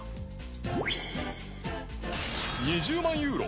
２０万ユーロ